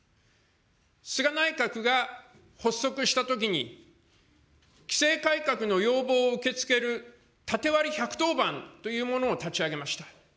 菅内閣が発足したときに、規制改革の要望を受け付ける縦割り１１０番というものを立ち上げました。